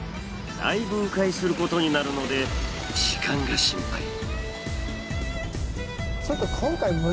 だいぶ迂回することになるので時間が心配。